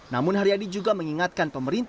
namun haryadi juga mengingatkan